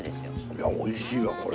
いや美味しいわこれ。